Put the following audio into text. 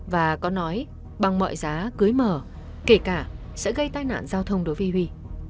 và có nói bằng mọi giá cưới mở kể cả sẽ gây tai nạn giao thông đối với huy